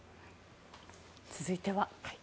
続いては。